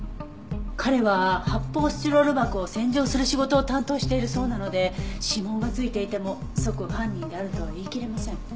彼は発泡スチロール箱を洗浄する仕事を担当しているそうなので指紋が付いていても即犯人であるとは言いきれません。